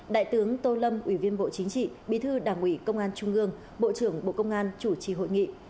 đại tướng tô lâm ủy viên bộ chính trị bí thư đảng ủy công an trung ương bộ trưởng bộ công an chủ trì hội nghị